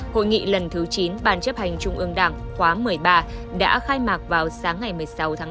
hội nghị lần thứ chín ban chấp hành trung ương đảng khóa một mươi ba đã khai mạc vào sáng ngày một mươi sáu tháng tám